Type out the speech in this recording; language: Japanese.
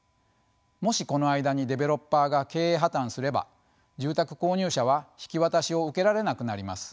もしこの間にデベロッパーが経営破綻すれば住宅購入者は引き渡しを受けられなくなります。